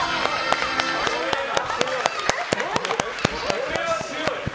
これは強い。